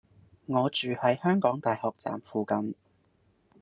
我住喺香港大學站附近